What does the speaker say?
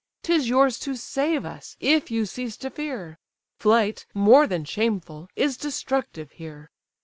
'Tis yours to save us, if you cease to fear; Flight, more than shameful, is destructive here.